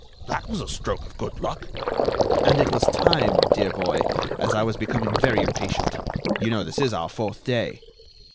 "That was a stroke of good luck." "And it was time, dear boy, as I was becoming very impatient. You know, this is our fourth day."